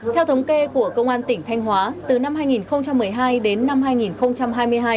theo thống kê của công an tỉnh thanh hóa từ năm hai nghìn một mươi hai đến năm hai nghìn hai mươi hai